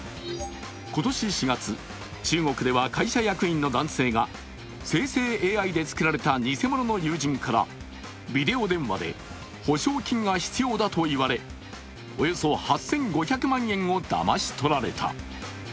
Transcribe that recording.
今年４月、中国では会社役員の男性が生成ＡＩで作られた偽者の友人からビデオ電話で保証金が必要だと言われ、およそ８５００万円をだまし取られた。